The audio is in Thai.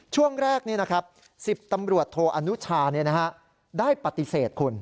ช่วงแรกนี้นะครับ๑๐ตำรวจโทออนุชาได้ปฏิเสธคุณ